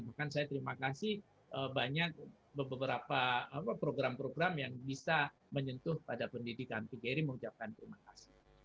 bahkan saya terima kasih banyak beberapa program program yang bisa menyentuh pada pendidikan tigery mengucapkan terima kasih